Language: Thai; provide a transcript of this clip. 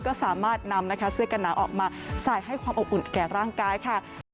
ก็สามารถนำนะคะเสื้อกันหนาวออกมาใส่ให้ความอบอุ่นแก่ร่างกายค่ะ